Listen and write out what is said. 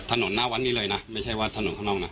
หน้าวัดนี้เลยนะไม่ใช่ว่าถนนข้างนอกนะ